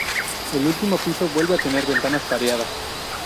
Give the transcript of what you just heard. El último piso vuelve a tener ventanas pareadas.